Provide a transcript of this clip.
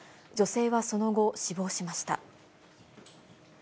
女性はその後、死亡しました。